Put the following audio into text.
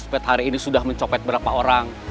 saya mau jalan jalan